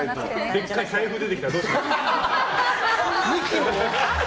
でっかい財布出てきたらどうしよう。